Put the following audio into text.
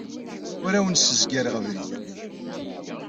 Ur awen-ssezgareɣ abrid.